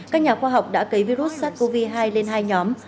các nhà khoa học đã cấy virus sars cov hai lên hai nhóm